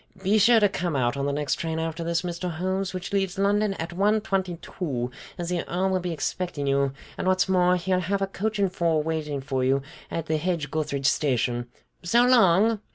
Be sure to come out on the next train after this, Mr. Holmes, which leaves London at one twenty two, as the Earl will be expecting you, and what's more, he'll have a coach and four waiting for you at the Hedge gutheridge station. So long!"